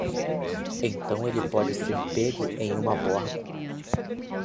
Então ele pode ser pego em uma borda!